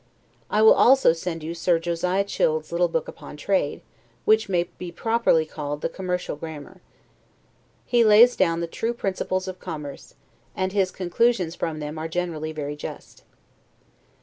I will also send you Sir Josiah Childe's little book upon trade, which may properly be called the "Commercial Grammar." He lays down the true principles of commerce, and his conclusions from them are generally very just.